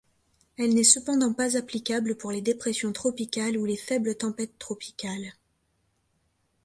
Elle n'est cependant pas applicable pour les dépressions tropicales ou les faibles tempêtes tropicales.